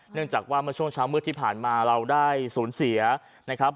เนื่องจากว่าเมื่อช่วงเช้ามืดที่ผ่านมาเราได้สูญเสียนะครับ